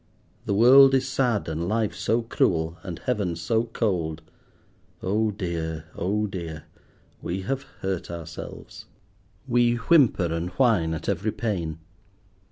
The world is sad, and life so cruel, and heaven so cold. Oh dear! oh dear! we have hurt ourselves. We whimper and whine at every pain.